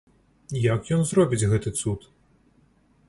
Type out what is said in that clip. Як ён зробіць гэты цуд?